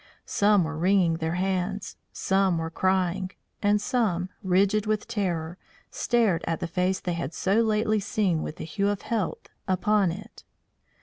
Some were wringing their hands, some were crying, and some, rigid with terror, stared at the face they had so lately seen with the hue of health upon it.